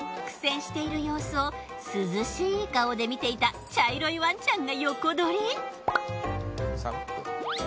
苦戦している様子を涼しい顔で見ていた茶色いワンちゃんが横取り。